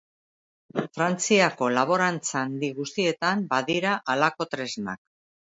Frantziako laborantza handi guztietan badira halako tresnak.